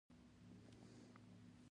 دا به زموږ مجبوري وي چې تشکیلات جوړ کړو.